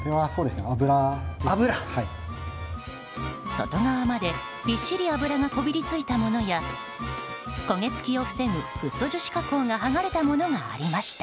外側まで、びっしり油がこびりついたものや焦げ付きを防ぐフッ素樹脂加工がはがれたものがありました。